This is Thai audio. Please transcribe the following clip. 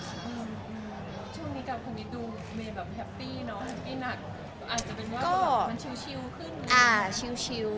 แต่ไหนหนักอาจจะเป็นเชียว